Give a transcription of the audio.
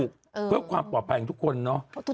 เพื่อความปลอดภัยของทุกคนเนาะ